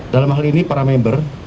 dalam hal ini para member